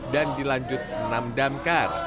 dan dilanjut senam damkar